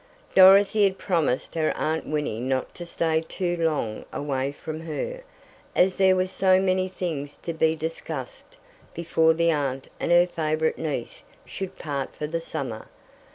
Dorothy had promised her Aunt Winnie not to stay too long away from her, as there were so many things to be discussed before the aunt and her favorite niece should part for the summer.